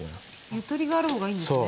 ゆとりがある方がいいんですね？